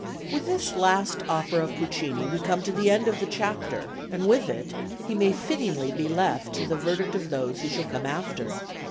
With this last opera of Puccini we come to the end of the chapter, and with it, he may fittingly be left to the verdict of those who shall come after.